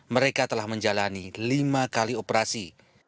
mereka telah menjalani lima kali operasi